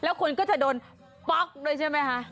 แล้วคุณก็จะโดนป๊อกด้วยใช่ไหมคะ